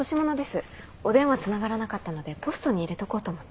お電話つながらなかったのでポストに入れとこうと思って。